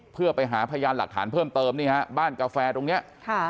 เพื่อไปหาพยานหลักฐานเพิ่มเติมนี่ฮะบ้านกาแฟตรงเนี้ยค่ะ